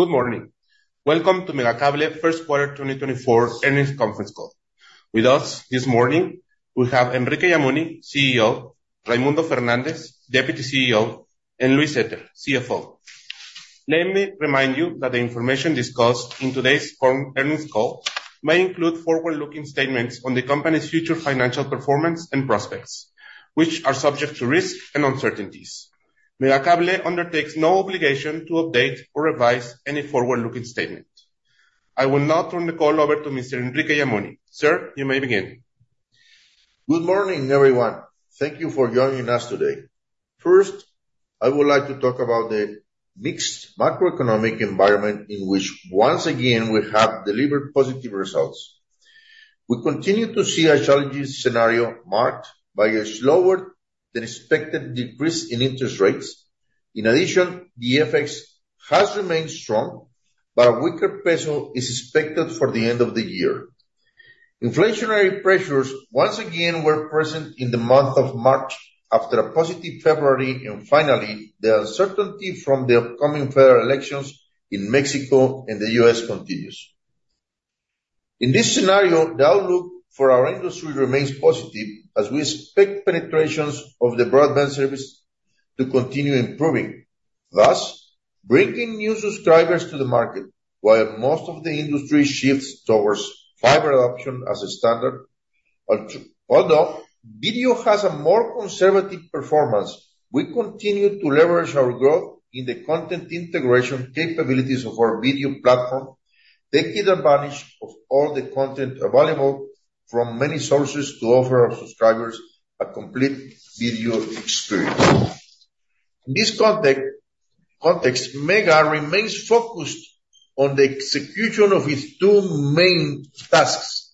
Good morning. Welcome to Megacable First Quarter 2024 Earnings Conference Call. With us this morning, we have Enrique Yamuni, CEO, Raymundo Fernández, Deputy CEO, and Luis Zetter, CFO. Let me remind you that the information discussed in today's phone earnings call may include forward-looking statements on the company's future financial performance and prospects, which are subject to risks and uncertainties. Megacable undertakes no obligation to update or revise any forward-looking statement. I will now turn the call over to Mr. Enrique Yamuni. Sir, you may begin. Good morning, everyone. Thank you for joining us today. First, I would like to talk about the mixed macroeconomic environment in which, once again, we have delivered positive results. We continue to see a challenging scenario marked by a slower than expected decrease in interest rates. In addition, the FX has remained strong, but a weaker peso is expected for the end of the year. Inflationary pressures once again were present in the month of March after a positive February, and finally, the uncertainty from the upcoming federal elections in Mexico and the U.S. continues. In this scenario, the outlook for our industry remains positive as we expect penetrations of the broadband service to continue improving, thus bringing new subscribers to the market, while most of the industry shifts towards fiber adoption as a standard. Although video has a more conservative performance, we continue to leverage our growth in the content integration capabilities of our video platform, taking advantage of all the content available from many sources to offer our subscribers a complete video experience. In this context, Mega remains focused on the execution of its two main tasks,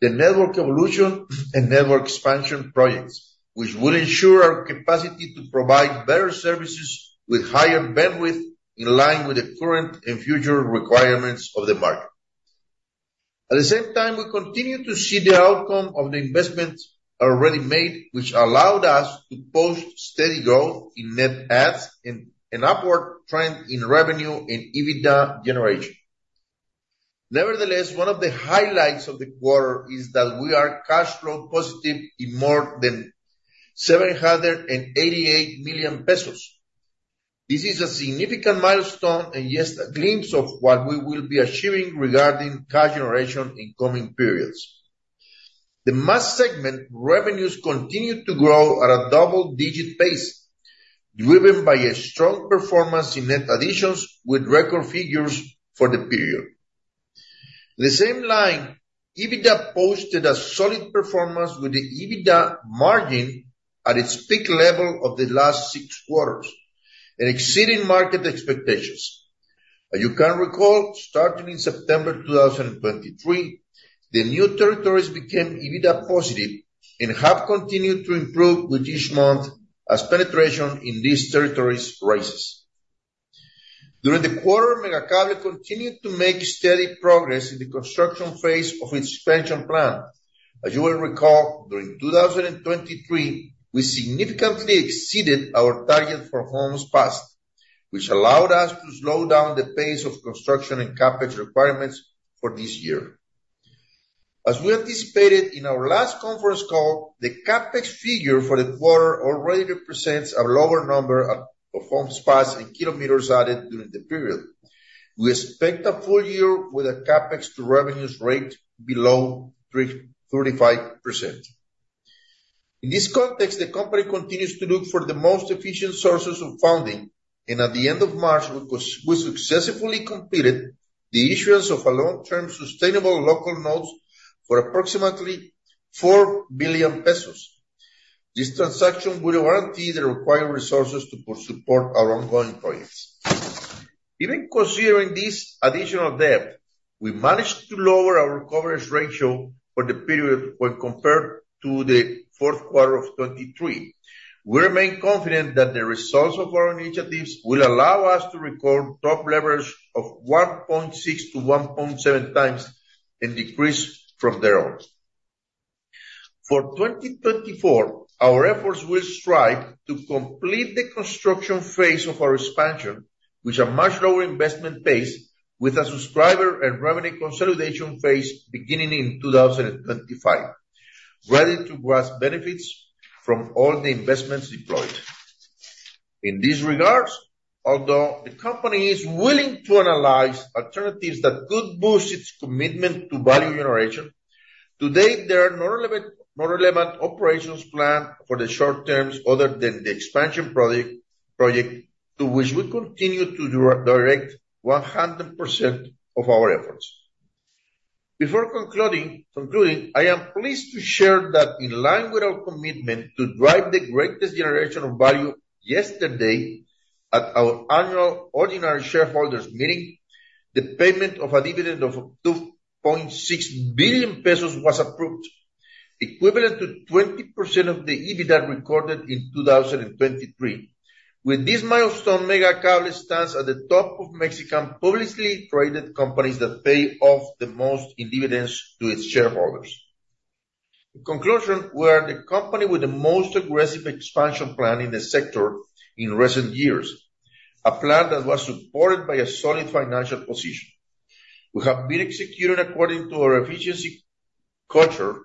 the network evolution and network expansion projects, which will ensure our capacity to provide better services with higher bandwidth in line with the current and future requirements of the market. At the same time, we continue to see the outcome of the investments already made, which allowed us to post steady growth in net adds and an upward trend in revenue and EBITDA generation. Nevertheless, one of the highlights of the quarter is that we are cash flow positive in more than 788 million pesos. This is a significant milestone and just a glimpse of what we will be achieving regarding cash generation in coming periods. The mass segment revenues continued to grow at a double-digit pace, driven by a strong performance in net additions with record figures for the period. The same line, EBITDA posted a solid performance with the EBITDA margin at its peak level of the last six quarters and exceeding market expectations. As you can recall, starting in September 2023, the new territories became EBITDA positive and have continued to improve with each month as penetration in these territories rises. During the quarter, Megacable continued to make steady progress in the construction phase of its expansion plan. As you will recall, during 2023, we significantly exceeded our target for homes passed, which allowed us to slow down the pace of construction and CapEx requirements for this year. As we anticipated in our last conference call, the CapEx figure for the quarter already represents a lower number of homes passed and kilometers added during the period. We expect a full year with a CapEx to revenues rate below 3.35%. In this context, the company continues to look for the most efficient sources of funding, and at the end of March, we successfully completed the issuance of a long-term sustainable local notes for approximately 4 billion pesos. This transaction will guarantee the required resources to support our ongoing projects. Even considering this additional debt, we managed to lower our coverage ratio for the period when compared to the fourth quarter of 2023. We remain confident that the results of our initiatives will allow us to record top leverage of 1.6x-1.7x and decrease from there on. For 2024, our efforts will strive to complete the construction phase of our expansion, with a much lower investment base, with a subscriber and revenue consolidation phase beginning in 2025, ready to grasp benefits from all the investments deployed. In these regards, although the company is willing to analyze alternatives that could boost its commitment to value generation, to date, there are no relevant operations planned for the short terms other than the expansion project, to which we continue to direct 100% of our efforts. Before concluding, I am pleased to share that in line with our commitment to drive the greatest generation of value, yesterday, at our annual ordinary shareholders meeting, the payment of a dividend of 2.6 billion pesos was approved, equivalent to 20% of the EBITDA recorded in 2023. With this milestone, Megacable stands at the top of Mexican publicly traded companies that pay off the most in dividends to its shareholders. In conclusion, we are the company with the most aggressive expansion plan in the sector in recent years, a plan that was supported by a solid financial position. We have been executing according to our efficiency culture,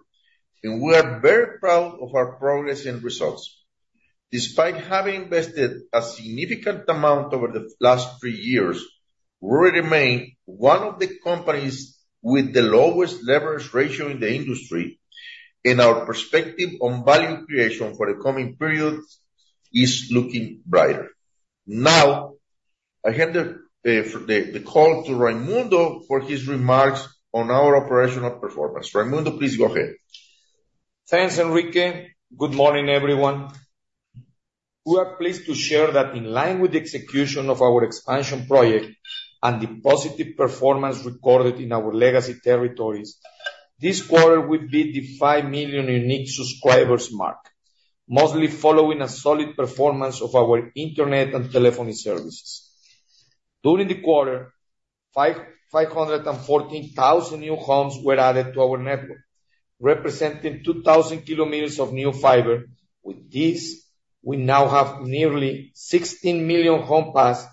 and we are very proud of our progress and results. Despite having invested a significant amount over the last three years, we remain one of the companies with the lowest leverage ratio in the industry, and our perspective on value creation for the coming periods is looking brighter. Now, I hand the call to Raymundo for his remarks on our operational performance. Raymundo, please go ahead. Thanks, Enrique. Good morning, everyone. We are pleased to share that in line with the execution of our expansion project and the positive performance recorded in our legacy territories, this quarter will be the 5 million unique subscribers mark, mostly following a solid performance of our internet and telephony services. During the quarter, 514,000 new homes were added to our network, representing 2,000 km of new fiber. With this, we now have nearly 16 million homes passed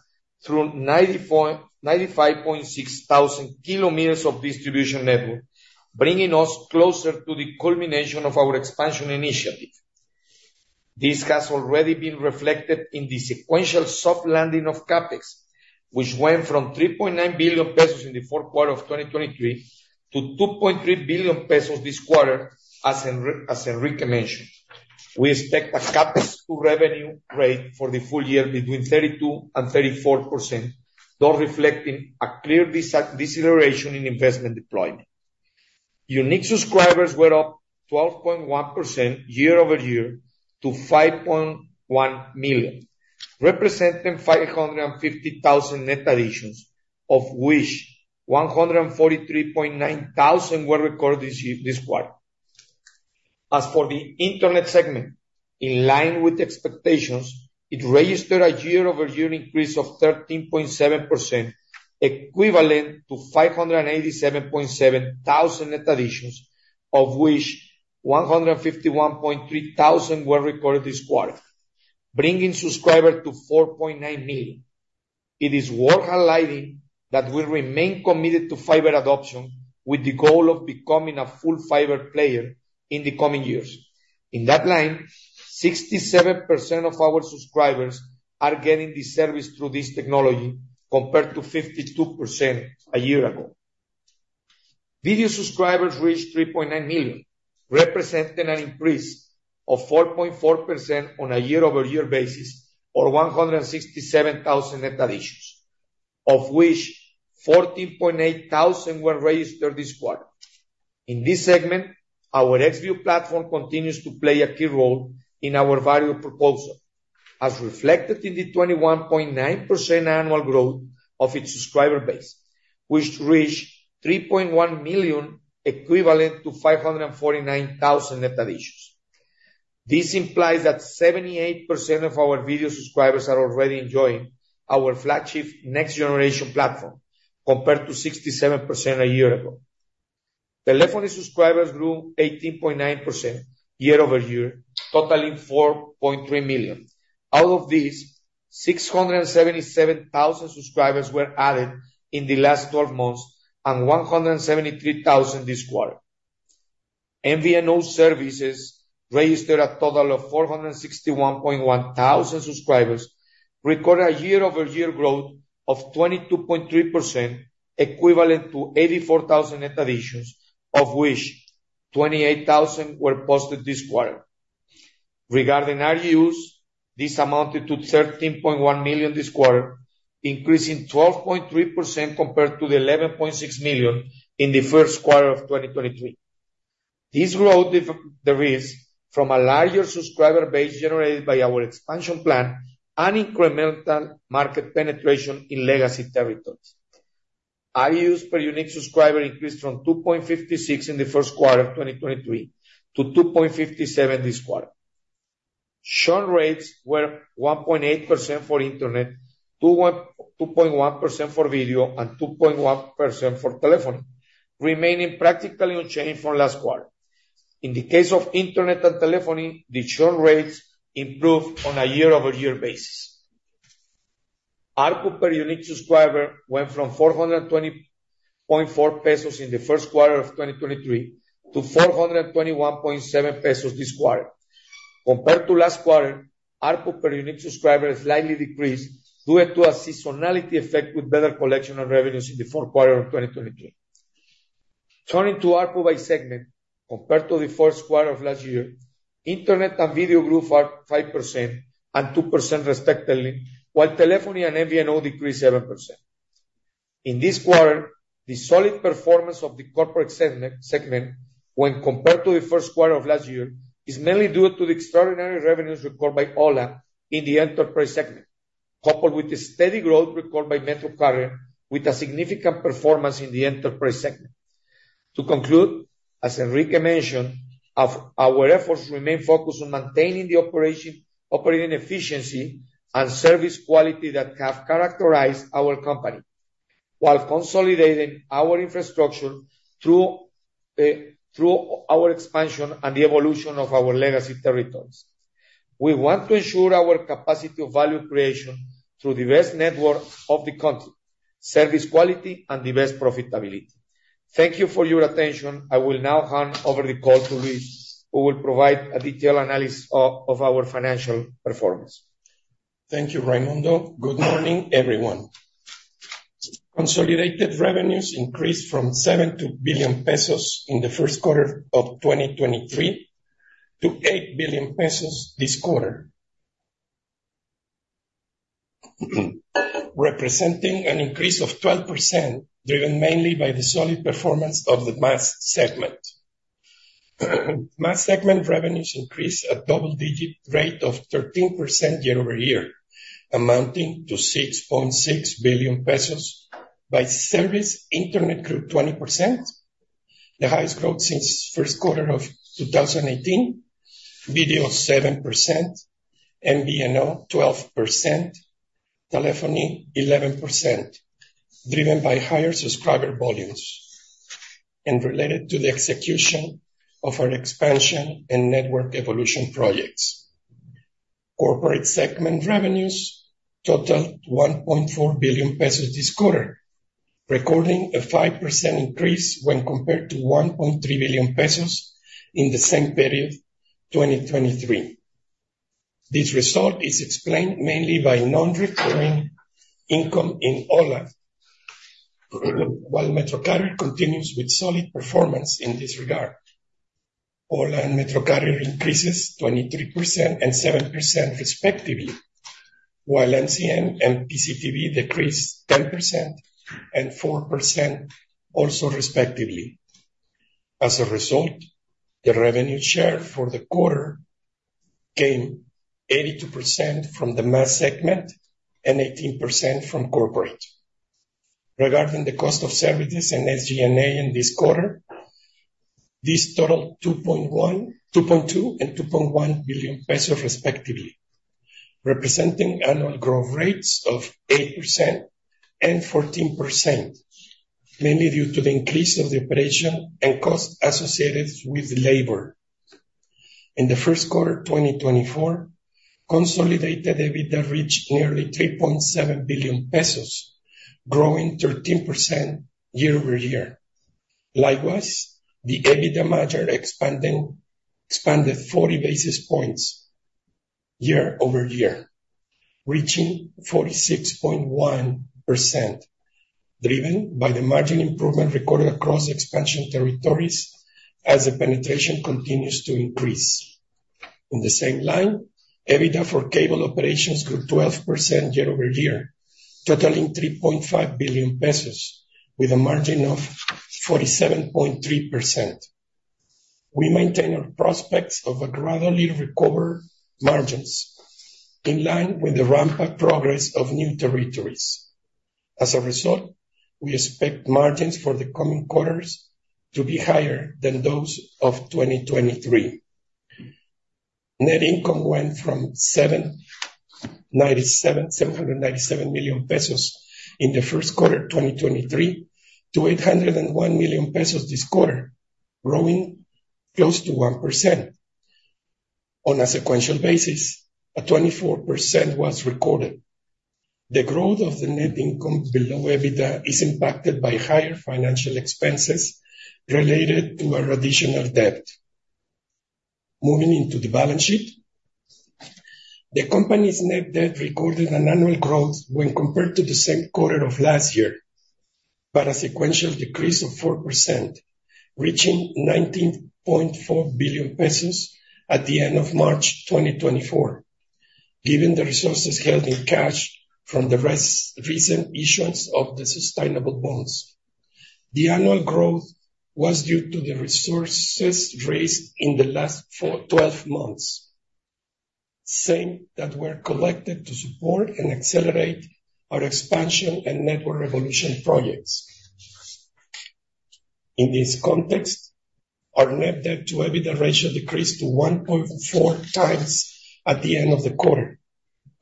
through 95,600 km of distribution network, bringing us closer to the culmination of our expansion initiative. This has already been reflected in the sequential soft landing of CapEx, which went from 3.9 billion pesos in the fourth quarter of 2023 to 2.3 billion pesos this quarter, as Enrique mentioned. We expect a CapEx to revenue rate for the full year between 32% and 34%, though reflecting a clear deceleration in investment deployment. Unique subscribers were up 12.1% year-over-year to 5.1 million, representing 550,000 net additions, of which 143,900 were recorded this quarter. As for the internet segment, in line with expectations, it registered a year-over-year increase of 13.7%, equivalent to 587,700 net additions, of which 151,300 were recorded this quarter, bringing subscribers to 4.9 million. It is worth highlighting that we remain committed to fiber adoption, with the goal of becoming a full fiber player in the coming years. In that line, 67% of our subscribers are getting the service through this technology, compared to 52% a year ago. Video subscribers reached 3.9 million, representing an increase of 4.4% on a year-over-year basis, or 167,000 net additions, of which 14,800 were registered this quarter. In this segment, our Xview platform continues to play a key role in our value proposal, as reflected in the 21.9% annual growth of its subscriber base, which reached 3.1 million, equivalent to 549,000 net additions. This implies that 78% of our video subscribers are already enjoying our flagship next-generation platform, compared to 67% a year ago. Telephony subscribers grew 18.9% year-over-year, totaling 4.3 million. Out of these, 677,000 subscribers were added in the last twelve months and 173,000 this quarter. MVNO services registered a total of 461,100 subscribers, recorded a year-over-year growth of 22.3%, equivalent to 84,000 net additions, of which 28,000 were posted this quarter. Regarding ARPU, this amounted to 13.1 million this quarter, increasing 12.3% compared to the 11.6 million in the first quarter of 2023. This growth derives from a larger subscriber base generated by our expansion plan and incremental market penetration in legacy territories. ARPU per unique subscriber increased from 2.56 in the first quarter of 2023 to 2.57 this quarter. Churn rates were 1.8% for internet, 2.1% for video, and 2.1% for telephony, remaining practically unchanged from last quarter. In the case of internet and telephony, the churn rates improved on a year-over-year basis. ARPU per unique subscriber went from 420.4 pesos in the first quarter of 2023 to 421.7 pesos this quarter. Compared to last quarter, ARPU per unique subscriber slightly decreased due to a seasonality effect, with better collection on revenues in the fourth quarter of 2023. Turning to ARPU by segment, compared to the first quarter of last year, internet and video grew 5.5% and 2%, respectively, while telephony and MVNO decreased 7%. In this quarter, the solid performance of the corporate segment when compared to the first quarter of last year is mainly due to the extraordinary revenues recorded by ho1a in the enterprise segment, coupled with the steady growth recorded by MetroCarrier, with a significant performance in the enterprise segment. To conclude, as Enrique mentioned, our efforts remain focused on maintaining the operating efficiency and service quality that have characterized our company while consolidating our infrastructure through through our expansion and the evolution of our legacy territories. We want to ensure our capacity of value creation through the best network of the country, service quality, and the best profitability. Thank you for your attention. I will now hand over the call to Luis, who will provide a detailed analysis of our financial performance. Thank you, Raymundo. Good morning, everyone. Consolidated revenues increased from 7 billion pesos in the first quarter of 2023, to 8 billion pesos this quarter. Representing an increase of 12%, driven mainly by the solid performance of the mass segment. Mass segment revenues increased a double-digit rate of 13% year-over-year, amounting to 6.6 billion pesos by service internet grew 20%, the highest growth since first quarter of 2018, video 7%, MVNO 12%, telephony 11%, driven by higher subscriber volumes and related to the execution of our expansion and network evolution projects. Corporate segment revenues totaled 1.4 billion pesos this quarter, recording a 5% increase when compared to 1.3 billion pesos in the same period, 2023. This result is explained mainly by non-recurring income in ho1a. While MetroCarrier continues with solid performance in this regard. ho1a and MetroCarrier increases 23% and 7% respectively, while MCM and PCTV decreased 10% and 4% also respectively. As a result, the revenue share for the quarter came 82% from the mass segment and 18% from corporate. Regarding the cost of services and SG&A in this quarter, this totaled 2.2 billion and MXN 2.1 billion respectively, representing annual growth rates of 8% and 14%, mainly due to the increase of the operation and costs associated with labor. In the first quarter, 2024, consolidated EBITDA reached nearly 3.7 billion pesos, growing 13% year-over-year. Likewise, the EBITDA margin expanding, expanded 40 basis points year-over-year, reaching 46.1%, driven by the margin improvement recorded across expansion territories as the penetration continues to increase. In the same line, EBITDA for cable operations grew 12% year-over-year, totaling 3.5 billion pesos with a margin of 47.3%. We maintain our prospects of a gradually recovered margins, in line with the rampant progress of new territories. As a result, we expect margins for the coming quarters to be higher than those of 2023. Net income went from 797 million pesos in the first quarter of 2023, to 801 million pesos this quarter, growing close to 1%. On a sequential basis, a 24% was recorded. The growth of the net income below EBITDA is impacted by higher financial expenses related to a traditional debt. Moving into the balance sheet, the company's net debt recorded an annual growth when compared to the same quarter of last year, but a sequential decrease of 4%, reaching 19.4 billion pesos at the end of March 2024, given the resources held in cash from the recent issuance of the sustainable bonds. The annual growth was due to the resources raised in the last 12 months, same that were collected to support and accelerate our expansion and network evolution projects. In this context, our net debt to EBITDA ratio decreased to 1.4x at the end of the quarter,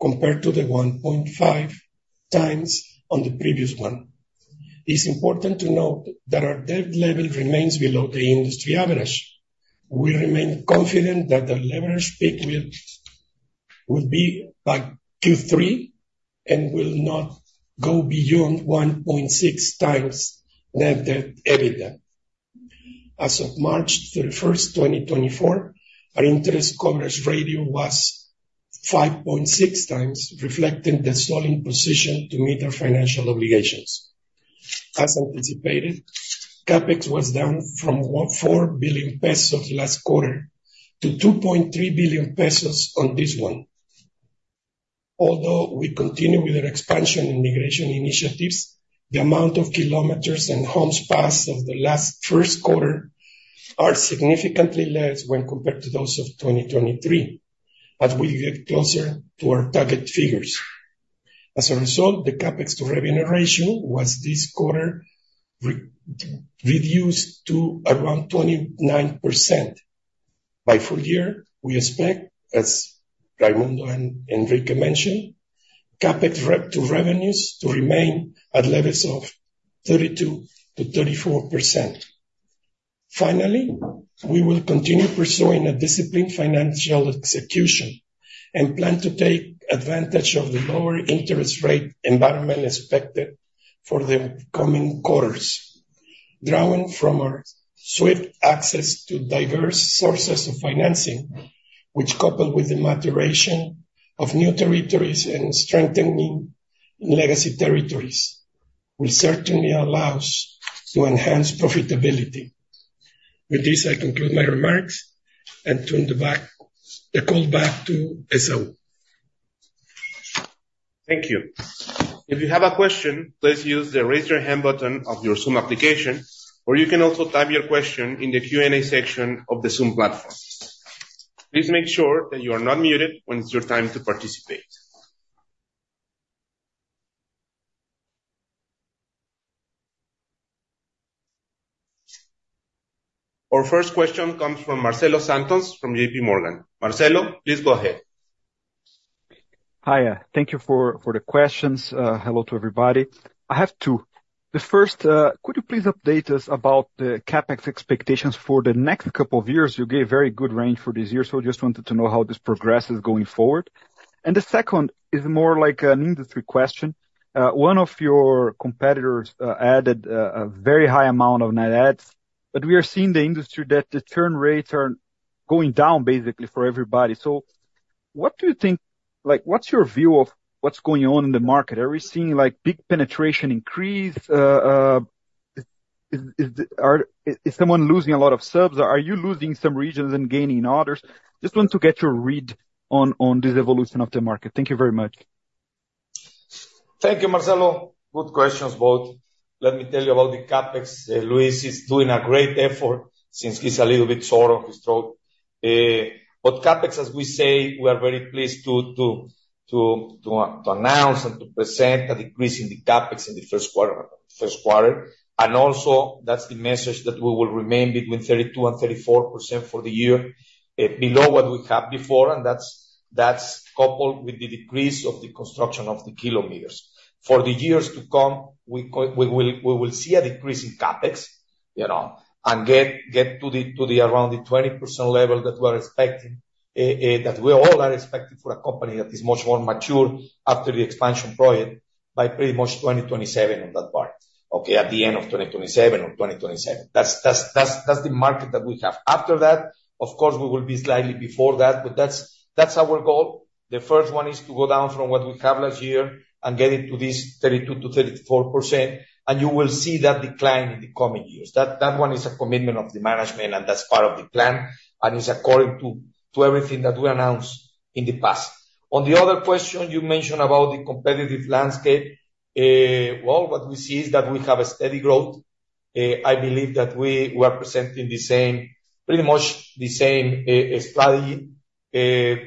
compared to the 1.5x on the previous one. It's important to note that our debt level remains below the industry average. We remain confident that the leverage peak will be by Q3, and will not go beyond 1.6x net debt EBITDA. As of March 31, 2024, our interest coverage ratio was 5.6x, reflecting the solid position to meet our financial obligations. As anticipated, CapEx was down from, 14 billion pesos last quarter, to 2.3 billion pesos on this one. Although we continue with our expansion and migration initiatives, the amount of kilometers and homes passed of the last first quarter are significantly less when compared to those of 2023, as we get closer to our target figures. As a result, the CapEx to revenue ratio was this quarter reduced to around 29%. By full year, we expect, as Raymundo and Enrique mentioned, CapEx relative to revenues to remain at levels of 32%-34%. Finally, we will continue pursuing a disciplined financial execution, and plan to take advantage of the lower interest rate environment expected for the coming quarters. Drawing from our swift access to diverse sources of financing, which coupled with the maturation of new territories and strengthening legacy territories, will certainly allow us to enhance profitability. With this, I conclude my remarks, and turn the call back to Saul. Thank you. If you have a question, please use the Raise Your Hand button of your Zoom application, or you can also type your question in the Q&A section of the Zoom platform. Please make sure that you are not muted when it's your time to participate. Our first question comes from Marcelo Santos, from JPMorgan. Marcelo, please go ahead. Hi, thank you for the questions. Hello to everybody. I have two. The first, could you please update us about the CapEx expectations for the next couple of years? You gave very good range for this year, so just wanted to know how this progress is going forward. The second is more like an industry question. One of your competitors added a very high amount of net adds, but we are seeing the industry that the churn rates are going down, basically, for everybody. What do you think... Like, what's your view of what's going on in the market? Are we seeing, like, big penetration increase? Is someone losing a lot of subs? Are you losing some regions and gaining others? Just want to get your read on this evolution of the market. Thank you very much. Thank you, Marcelo. Good questions, both. Let me tell you about the CapEx. Luis is doing a great effort, since he's a little bit sore on his throat. But CapEx, as we say, we are very pleased to announce and to present a decrease in the CapEx in the first quarter, first quarter. And also, that's the message, that we will remain between 32% and 34% for the year, below what we had before, and that's coupled with the decrease of the construction of the kilometers. For the years to come, we will see a decrease in CapEx, you know, and get to the around the 20% level that we are expecting, that we all are expecting for a company that is much more mature after the expansion project, by pretty much 2027 on that part, okay? At the end of 2027 or 2027. That's the market that we have. After that, of course, we will be slightly before that, but that's our goal. The first one is to go down from what we have last year and get it to this 32%-34%, and you will see that decline in the coming years. That, that one is a commitment of the management, and that's part of the plan, and it's according to, to everything that we announced in the past. On the other question you mentioned about the competitive landscape, well, what we see is that we have a steady growth. I believe that we were presenting the same, pretty much the same, strategy,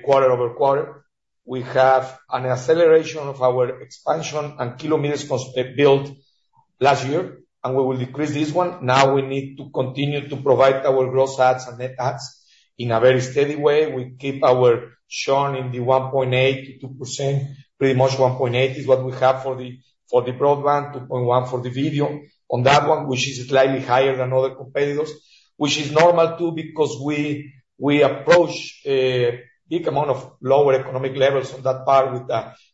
quarter over quarter. We have an acceleration of our expansion and kilometers built last year, and we will decrease this one. Now we need to continue to provide our gross adds and net adds in a very steady way. We keep our churn in the 1.8%-2%. Pretty much 1.8 is what we have for the, for the broadband, 2.1% for the video. On that one, which is slightly higher than other competitors, which is normal, too, because we approach a big amount of lower economic levels on that part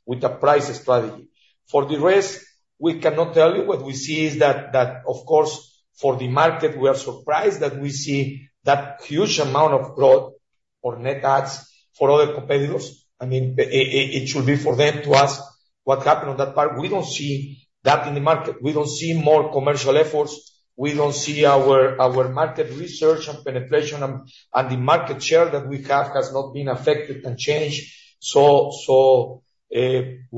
with a price strategy. For the rest, we cannot tell you. What we see is that of course, for the market, we are surprised that we see that huge amount of growth or net adds for other competitors. I mean, it should be for them to ask what happened on that part. We don't see that in the market. We don't see more commercial efforts. We don't see our market research and penetration, and the market share that we have has not been affected and changed. So, we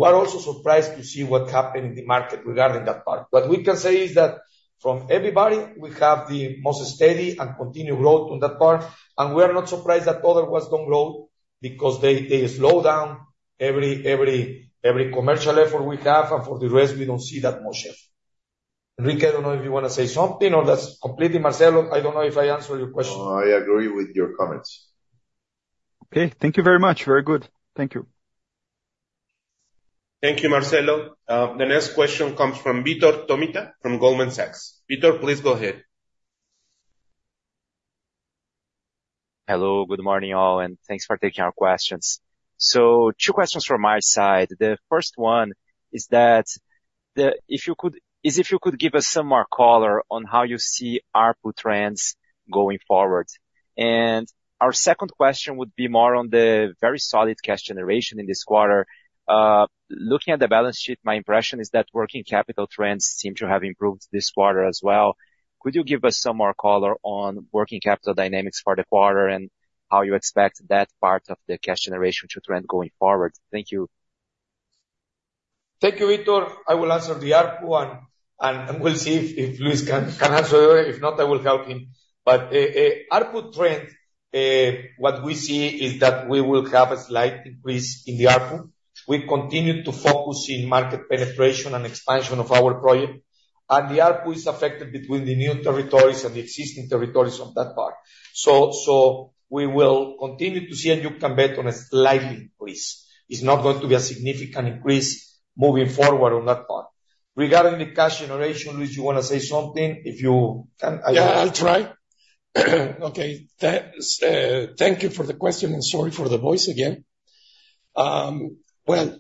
are also surprised to see what happened in the market regarding that part. What we can say is that from everybody, we have the most steady and continued growth on that part, and we are not surprised that other ones don't grow, because they slow down every commercial effort we have, and for the rest, we don't see that motion. Enrique, I don't know if you want to say something, or that's completely, Marcelo, I don't know if I answered your question. No, I agree with your comments. Okay, thank you very much. Very good. Thank you. Thank you, Marcelo. The next question comes from Vitor Tomita from Goldman Sachs. Vitor, please go ahead. Hello, good morning, all, and thanks for taking our questions. So two questions from my side. The first one is, if you could give us some more color on how you see ARPU trends going forward. And our second question would be more on the very solid cash generation in this quarter. Looking at the balance sheet, my impression is that working capital trends seem to have improved this quarter as well. Could you give us some more color on working capital dynamics for the quarter, and how you expect that part of the cash generation to trend going forward? Thank you. Thank you, Vitor. I will answer the ARPU one, and we'll see if Luis can answer it. If not, I will help him. But ARPU trend, what we see is that we will have a slight increase in the ARPU. We continue to focus in market penetration and expansion of our project.... And the ARPU is affected between the new territories and the existing territories on that part. So we will continue to see, and you can bet on a slight increase. It's not going to be a significant increase moving forward on that part. Regarding the cash generation, Luis, you wanna say something? If you can. Yeah, I'll try. Okay. Thanks, thank you for the question, and sorry for the voice again. Well,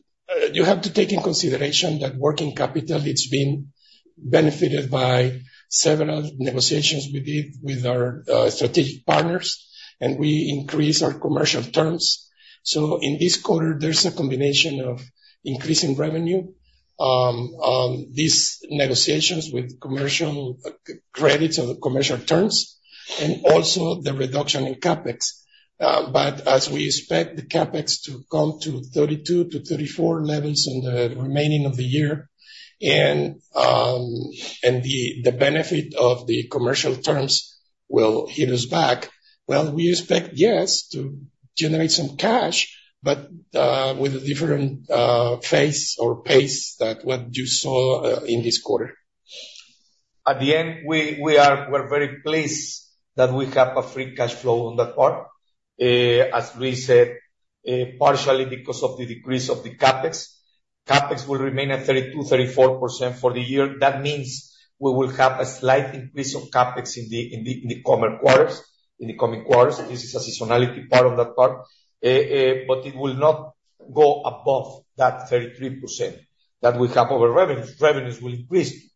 you have to take in consideration that working capital, it's been benefited by several negotiations we did with our strategic partners, and we increased our commercial terms. So in this quarter, there's a combination of increasing revenue, these negotiations with commercial credits or commercial terms, and also the reduction in CapEx. But as we expect the CapEx to come to 32-34 levels in the remaining of the year, and, and the benefit of the commercial terms will hit us back, well, we expect, yes, to generate some cash, but, with a different phase or pace that what you saw in this quarter. At the end, we are very pleased that we have a free cash flow on that part. As we said, partially because of the decrease of the CapEx. CapEx will remain at 32%-34% for the year. That means we will have a slight increase of CapEx in the coming quarters. This is a seasonality part of that part. But it will not go above that 33% that we have our revenues. Revenues will increase.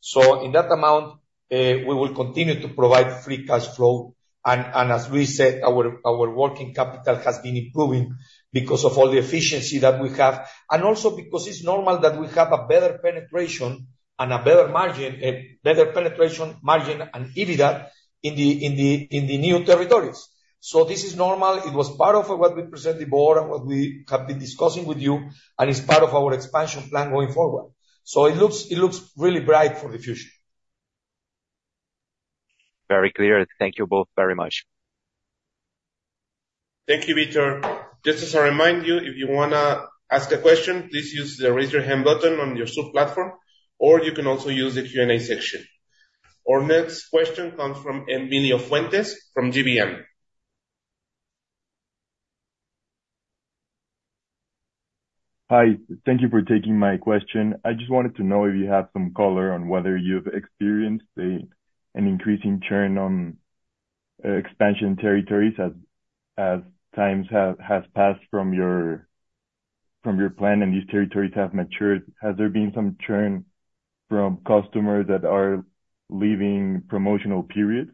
So in that amount, we will continue to provide free cash flow, and as we said, our working capital has been improving because of all the efficiency that we have, and also because it's normal that we have a better penetration and a better margin, better penetration margin and EBITDA in the new territories. So this is normal. It was part of what we presented before and what we have been discussing with you, and it's part of our expansion plan going forward. So it looks really bright for the future. Very clear. Thank you both very much. Thank you, Vitor. Just as a reminder, if you wanna ask a question, please use the Raise Your Hand button on your Zoom platform, or you can also use the Q&A section. Our next question comes from Emilio Fuentes from GBM. Hi, thank you for taking my question. I just wanted to know if you have some color on whether you've experienced an increasing churn on expansion territories as time has passed from your plan and these territories have matured. Has there been some churn from customers that are leaving promotional periods?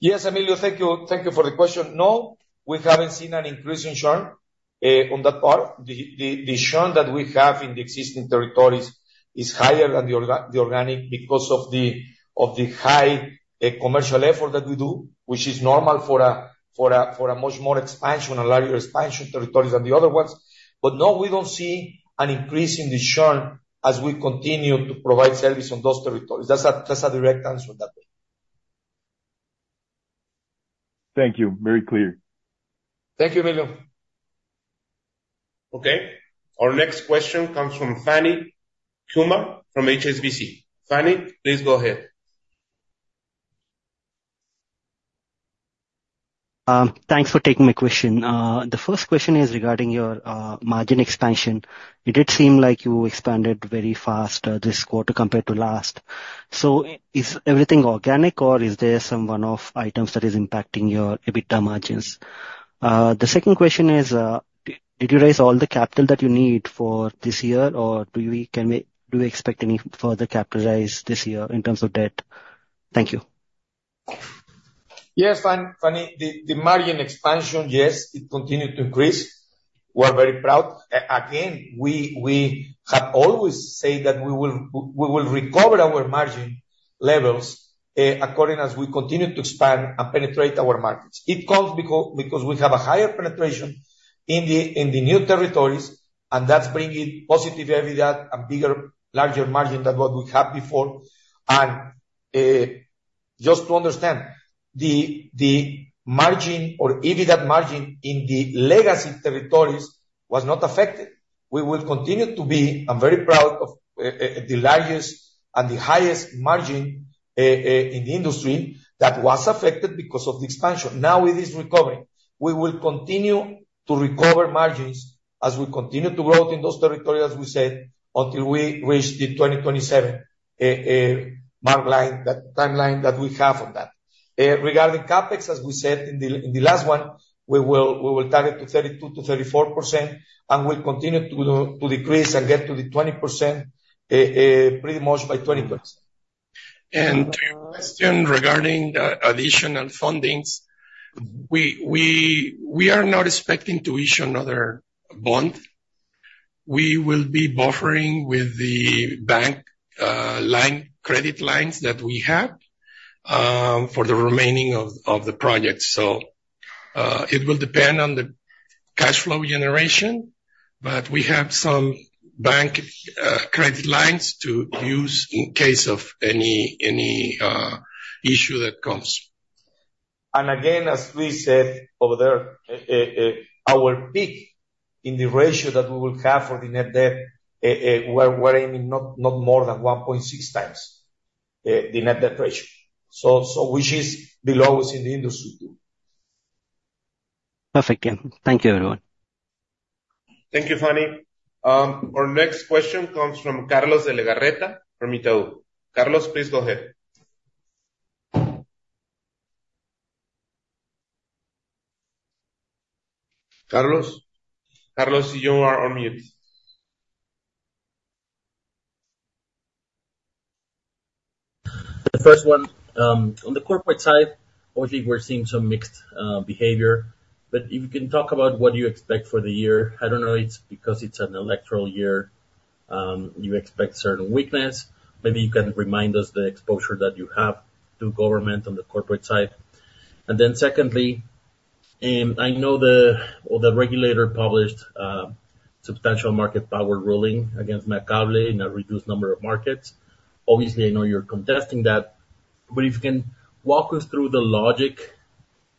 Yes, Emilio, thank you. Thank you for the question. No, we haven't seen an increase in churn on that part. The churn that we have in the existing territories is higher than the organic, because of the high commercial effort that we do, which is normal for a much more expansion, a larger expansion territories than the other ones. But no, we don't see an increase in the churn as we continue to provide service on those territories. That's a direct answer on that one. Thank you. Very clear. Thank you, Emilio. Okay, our next question comes from Phani Kumar from HSBC. Phani, please go ahead. Thanks for taking my question. The first question is regarding your margin expansion. It did seem like you expanded very fast this quarter compared to last. So is everything organic, or is there some one-off items that is impacting your EBITDA margins? The second question is, did you raise all the capital that you need for this year, or do we, can we, do you expect any further capital raise this year in terms of debt? Thank you. Yes, Phani, the margin expansion, yes, it continued to increase. We're very proud. Again, we have always said that we will recover our margin levels according as we continue to expand and penetrate our markets. It comes because we have a higher penetration in the new territories, and that's bringing positive EBITDA and bigger, larger margin than what we had before. And just to understand, the margin or EBITDA margin in the legacy territories was not affected. We will continue to be the largest and the highest margin in the industry that was affected because of the expansion. Now it is recovering. I'm very proud of the largest and the highest margin in the industry. We will continue to recover margins as we continue to grow in those territories, as we said, until we reach the 2027 mark line, that timeline that we have on that. Regarding CapEx, as we said in the last one, we will target 32%-34%, and we'll continue to decrease and get to the 20%, pretty much by 2020. To your question regarding the additional fundings, we are not expecting to issue another bond. We will be buffering with the bank line credit lines that we have for the remaining of the project. So, it will depend on the cash flow generation, but we have some bank credit lines to use in case of any issue that comes. And again, as we said over there, our peak in the ratio that we will have for the net debt, we're aiming not more than 1.6x the net debt ratio. So which is the lowest in the industry. Perfect, yeah. Thank you, everyone. Thank you, Phani. Our next question comes from Carlos de Legarreta from Itaú. Carlos, please go ahead. Carlos? Carlos, you are on mute. The first one, on the corporate side, obviously we're seeing some mixed, behavior, but if you can talk about what you expect for the year. I don't know, it's because it's an electoral year, you expect certain weakness. Maybe you can remind us the exposure that you have to government on the corporate side. And then secondly, I know the, well, the regulator published, substantial market power ruling against Megacable in a reduced number of markets. Obviously, I know you're contesting that, but if you can walk us through the logic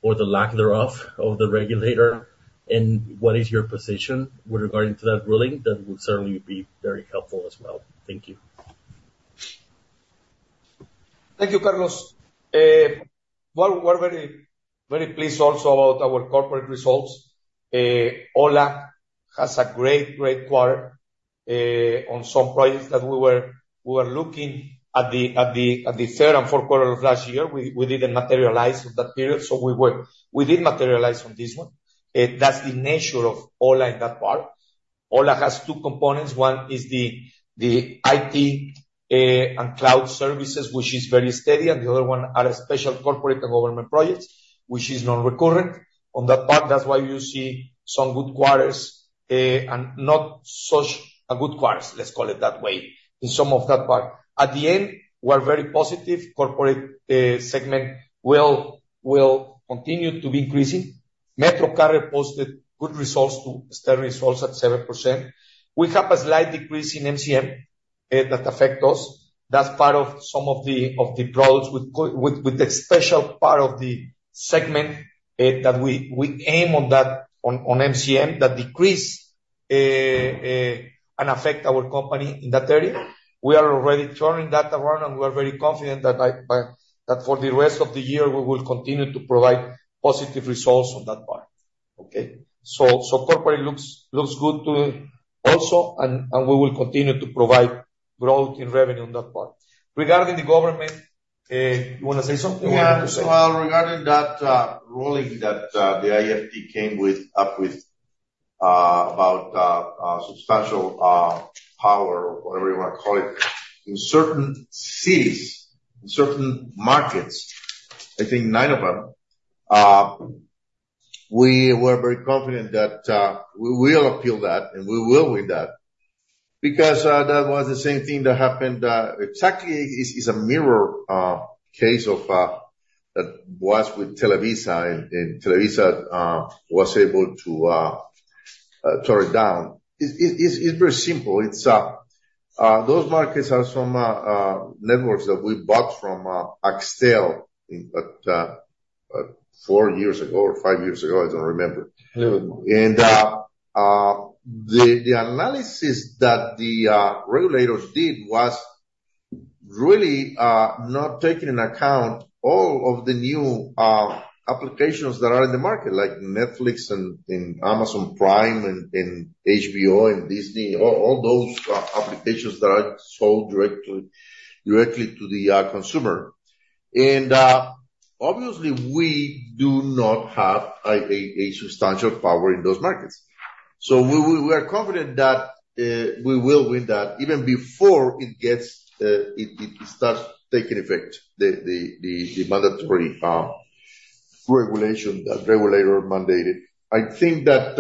or the lack thereof of the regulator, and what is your position with regarding to that ruling, that would certainly be very helpful as well. Thank you. Thank you, Carlos. Well, we're very, very pleased also about our corporate results. ho1a has a great, great quarter, on some projects that we were, we were looking at the, at the, at the third and fourth quarter of last year, we, we didn't materialize that period, so we did materialize on this one. That's the nature of ho1a in that part. ho1a has two components. One is the IT and cloud services, which is very steady, and the other one are special corporate and government projects, which is non-recurrent on that part. That's why you see some good quarters and not such a good quarters, let's call it that way, in some of that part. At the end, we're very positive. Corporate segment will, will continue to be increasing. MetroCarrier posted good results, steady results at 7%. We have a slight decrease in MCM that affect us. That's part of some of the products with the special part of the segment that we aim on that on MCM, that decrease and affect our company in that area. We are already turning that around, and we're very confident that for the rest of the year, we will continue to provide positive results on that part. Okay? So corporate looks good too also, and we will continue to provide growth in revenue on that part. Regarding the government, you wanna say something or you want me to say? Yeah. Well, regarding that ruling that the IFT came up with about substantial power or whatever you wanna call it in certain cities, in certain markets, I think nine of them, we were very confident that we will appeal that, and we will win that, because that was the same thing that happened exactly is a mirror case of that was with Televisa, and Televisa was able to tear it down. It's very simple. It's those markets are some networks that we bought from Axtel in at four years ago or five years ago, I don't remember. Four. And, the analysis that the regulators did was really not taking into account all of the new applications that are in the market, like Netflix and Amazon Prime and HBO and Disney, all those applications that are sold directly to the consumer. And, obviously, we do not have a substantial power in those markets. So we are confident that we will win that even before it starts taking effect, the mandatory regulation that regulator mandated. I think that,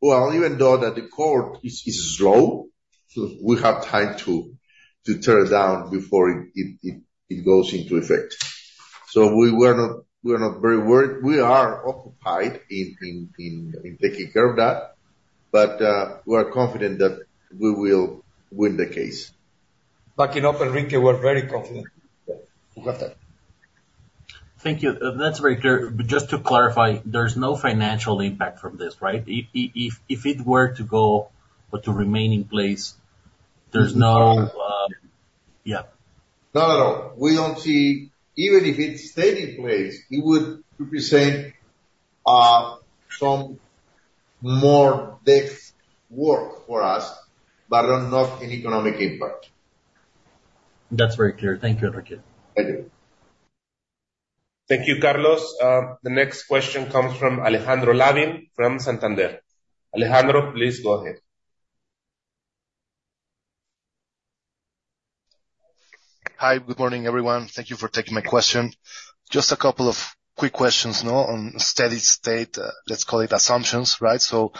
well, even though that the court is slow, we have time to tear it down before it goes into effect. So we're not very worried. We are occupied in taking care of that, but we are confident that we will win the case. Backing up Enrique, we're very confident. Yeah. You got that. Thank you. That's very clear. But just to clarify, there's no financial impact from this, right? If it were to go or to remain in place, there's no No. Yeah. Not at all. We don't see... Even if it stayed in place, it would represent some more desk work for us, but not, not an economic impact. That's very clear. Thank you, Enrique. Thank you. Thank you, Carlos. The next question comes from Alejandro Lavin, from Santander. Alejandro, please go ahead. Hi, good morning, everyone. Thank you for taking my question. Just a couple of quick questions, no, on steady state, let's call it assumptions, right? So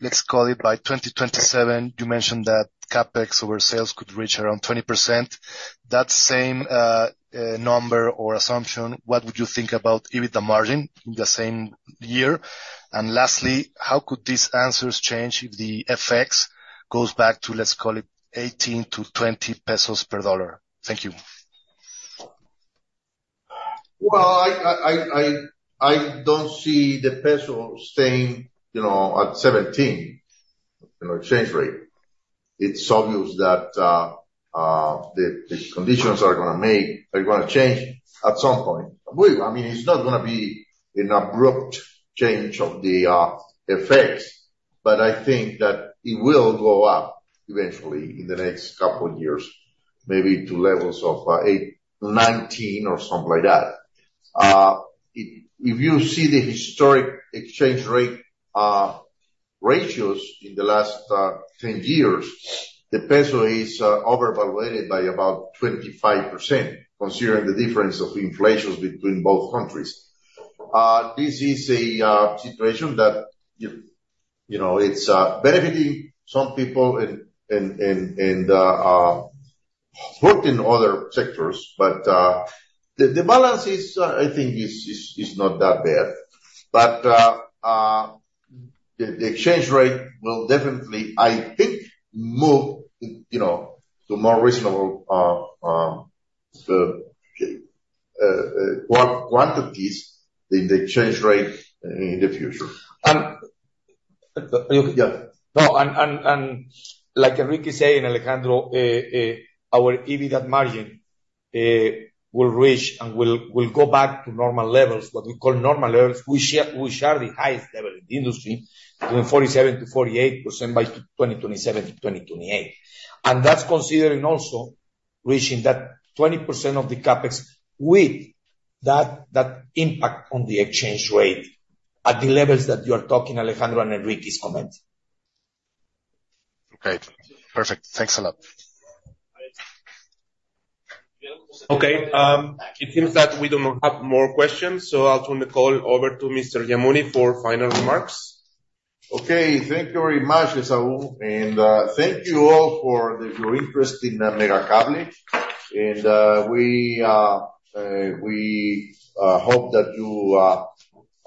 let's call it by 2027, you mentioned that CapEx over sales could reach around 20%. That same, number or assumption, what would you think about EBITDA margin in the same year? And lastly, how could these answers change if the FX goes back to, let's call it, 18-20 pesos per dollar? Thank you. Well, I don't see the peso staying, you know, at 17, you know, exchange rate. It's obvious that the conditions are gonna change at some point. I mean, it's not gonna be an abrupt change of the effects, but I think that it will go up eventually in the next couple years, maybe to levels of 18-19 or something like that. If you see the historical exchange rate ratios in the last 10 years, the peso is overvalued by about 25%, considering the difference of inflations between both countries. This is a situation that, you know, it's benefiting some people and hurting other sectors, but the balance is, I think, not that bad. But the exchange rate will definitely, I think, move, you know, to more reasonable quantities in the exchange rate in the future. Yeah. No, like Enrique saying, Alejandro, our EBITDA margin will reach and will go back to normal levels, what we call normal levels, which are the highest level in the industry, between 47%-48% by 2027-2028. And that's considering also reaching that 20% of the CapEx with that impact on the exchange rate at the levels that you are talking, Alejandro, and Enrique's comment. Okay, perfect. Thanks a lot. Okay, it seems that we do not have more questions, so I'll turn the call over to Mr. Yamuni for final remarks. Okay, thank you very much, Saul, and thank you all for your interest in Megacable. We hope that you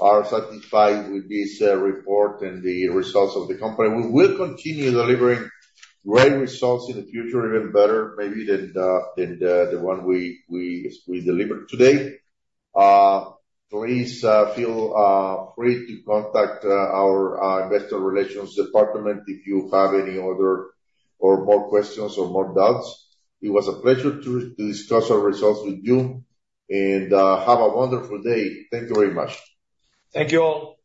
are satisfied with this report and the results of the company. We will continue delivering great results in the future, even better, maybe, than the one we delivered today. Please feel free to contact our Investor Relations department if you have any other or more questions or more doubts. It was a pleasure to discuss our results with you, and have a wonderful day. Thank you very much. Thank you all.